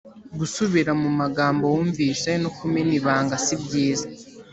gusubira mu magambo wumvise no kumena ibanga sibyiza